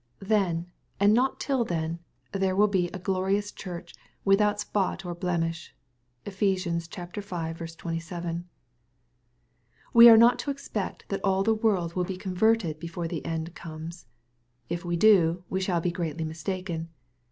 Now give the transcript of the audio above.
Then, and not till then, there will be a glorious Church, without spot or blemish. (Ephes. v. 27.) ( We are not to expect that all the world will be con verted before the end comes. If we do, we shall be greatly mistaken.